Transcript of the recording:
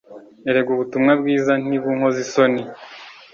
Erega ubutumwa bwiza ntibunkoza isoni